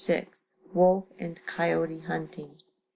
WOLF AND COYOTE HUNTING.